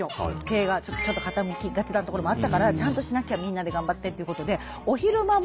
経営がちょっと傾きがちなところもあったからちゃんとしなきゃみんなで頑張ってっていうことで。